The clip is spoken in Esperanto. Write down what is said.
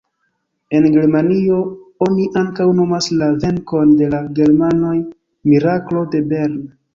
En Germanio oni ankaŭ nomas la venkon de la germanoj "Miraklo de Bern".